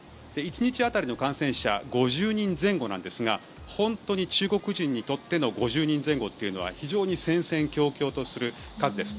１日当たりの感染者５０人前後なんですが本当に中国人にとっての５０人前後というのは非常に戦々恐々とする数です。